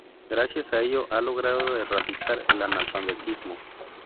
Gracias a ello, ha logrado erradicar el analfabetismo.